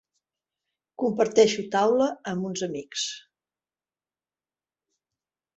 Comparteixo taula amb uns amics.